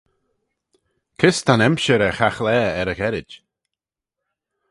Kys ta'n emshir er chaghlaa er y gherrid?